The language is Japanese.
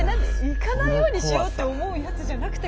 行かないようにしようって思うやつじゃなくて？